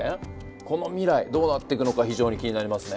この未来どうなっていくのか非常に気になりますね。